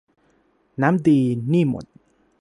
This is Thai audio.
น้ำดี หนี้หมด